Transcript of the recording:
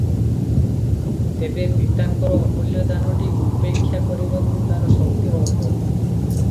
ତେବେ ପିତାଙ୍କର ଅମୂଲ୍ୟ ଦାନଟି ଉପେକ୍ଷା କରିବାକୁ ତାର ଶକ୍ତି ଅଳ୍ପ ।